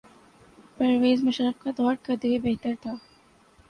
پرویز مشرف کا دور قدرے بہتر تھا۔